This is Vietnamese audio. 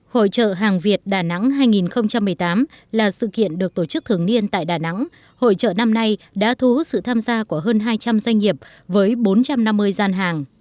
hội trợ hàng việt đà nẵng hai nghìn một mươi tám là sự kiện được tổ chức thường niên tại đà nẵng hội trợ năm nay đã thu hút sự tham gia của hơn hai trăm linh doanh nghiệp với bốn trăm năm mươi gian hàng